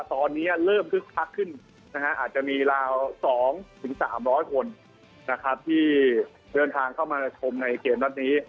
ตอนนี้เริ่มคึกคักขึ้นอาจจะมีราว๒๓๐๐คนนะครับที่เดินทางเข้ามาชมในเกมนัดนี้